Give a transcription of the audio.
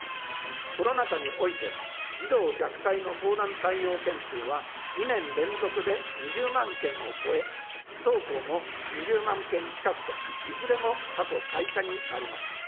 コロナ禍において、児童虐待の相談対応件数は２年連続で２０万件を超え、不登校も２０万件近くと、いずれも過去最多になりました。